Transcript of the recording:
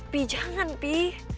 pi jangan pi